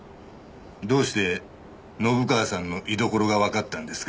どうして信川さんの居所がわかったんですか？